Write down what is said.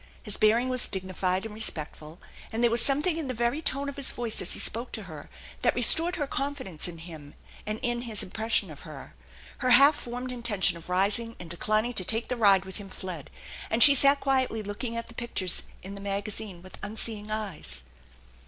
His bearing was dignified and respectful, and there was something in the very tone of his voice as he spoke to her that restored her confidence in him and in his impression of her. Her half formed intention of rising and declining to take the ride with him fled, and she sat quietly looking at the pictures in the magazine with unseeing eyes.